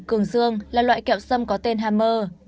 cường dương là loại kẹo xâm có tên hammer